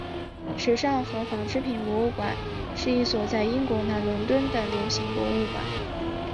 时尚和纺织品博物馆是一所在英国南伦敦的流行博物馆。